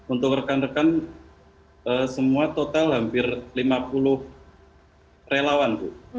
untuk rekan rekan semua total hampir lima puluh relawan bu